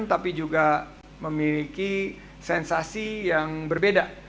tapi juga memiliki sensasi yang berbeda